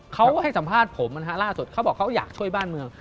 เขาให้สัมภาษณ์ผมนะฮะล่าสุดเขาบอกเขาอยากช่วยบ้านเมือง